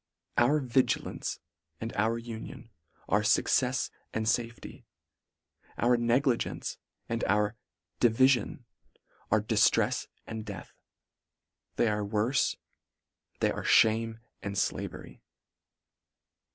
LETTER XII. 137 Our vigilance and our union are fuccefs and fafety. Our negligence and our divi lion are diftrefs and death. They are worfe — they are fhame and llavery.